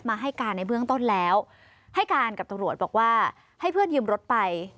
ให้การในเบื้องต้นแล้วให้การกับตำรวจบอกว่าให้เพื่อนยืมรถไป